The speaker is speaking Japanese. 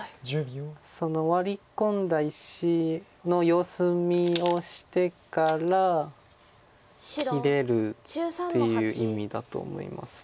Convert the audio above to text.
そのワリ込んだ石の様子見をしてから切れるという意味だと思います。